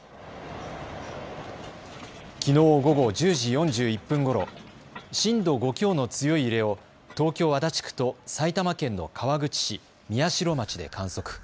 きのう午後１０時４１分ごろ、震度５強の強い揺れを東京足立区と埼玉県の川口市、宮代町で観測。